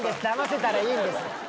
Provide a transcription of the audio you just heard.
ダマせたらいいんです。